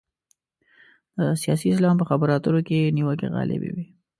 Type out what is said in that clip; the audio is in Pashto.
د سیاسي اسلام په خبرو اترو کې نیوکې غالب وي.